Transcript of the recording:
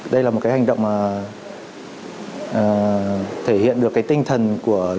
đây là một hành động thể hiện được tinh thần của lực lượng